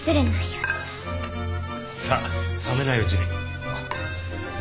さあ冷めないうちに。